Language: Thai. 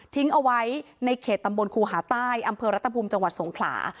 เอาไว้ในเขตตำบลครูหาใต้อำเภอรัตภูมิจังหวัดสงขลา